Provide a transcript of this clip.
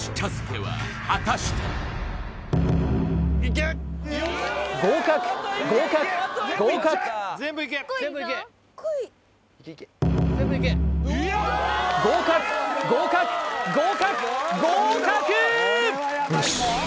は果たして合格合格合格合格合格合格合格！